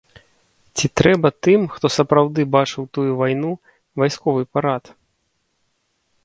Ці трэба тым, хто сапраўды бачыў тую вайну, вайсковы парад?